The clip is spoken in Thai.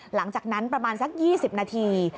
หลังจากนั้นประมาณสัก๒๐นาที